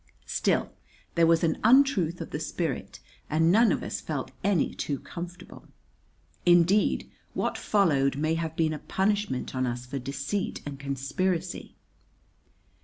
Still, there was an untruth of the spirit and none of us felt any too comfortable. Indeed, what followed may have been a punishment on us for deceit and conspiracy.